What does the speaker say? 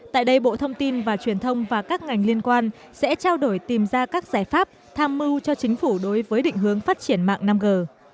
tại đây bộ thông tin và truyền thông và các ngành liên quan sẽ trao đổi tìm ra các giải pháp tham mưu cho chính phủ đối với định hướng phát triển mạng năm g